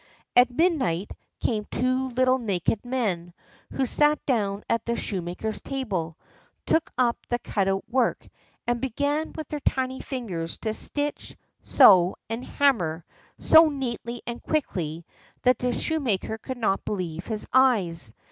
At midnight came two little naked men, who sat down at the shoemaker's table, took up the cut out work, and began with their tiny fingers to stitch, sew, and hammer so neatly and quickly, that the shoemaker could not believe his eyes.